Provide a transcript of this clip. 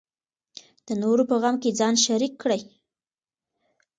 د نورو په غم کې ځان شریک کړئ.